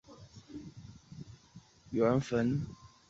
古坟是日本本土最西的前方后圆坟。